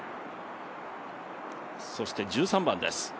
そして１３番です。